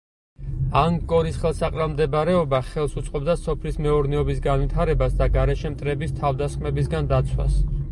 ანგკორის ხელსაყრელ მდებარეობა ხელს უწყობდა სოფლის მეურნეობის განვითარებას და გარეშე მტრების თავდასხმებისაგან დაცვას.